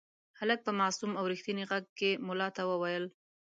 هلک په معصوم او رښتیني غږ کې ملا ته وویل.